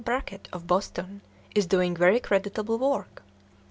Brackett, of Boston, is doing very creditable work.